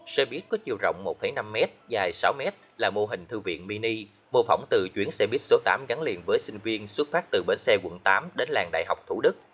xe buýt có chiều rộng một năm m dài sáu m là mô hình thư viện mini mô phỏng từ chuyến xe buýt số tám gắn liền với sinh viên xuất phát từ bến xe quận tám đến làng đại học thủ đức